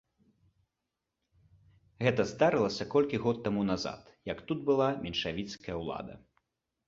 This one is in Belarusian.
Гэта здарылася колькі год таму назад, як тут была меншавіцкая ўлада.